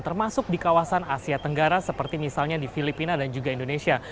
termasuk di kawasan asia tenggara seperti misalnya di filipina dan juga indonesia